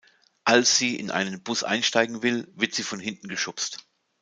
Als sie in einen Bus einsteigen will, wird sie von hinten geschubst.